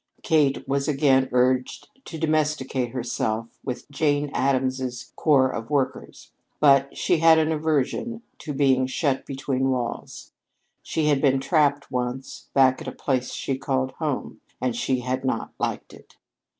Kate was again urged to domesticate herself with Jane Addams's corps of workers, but she had an aversion to being shut between walls. She had been trapped once, back at the place she called home, and she had not liked it.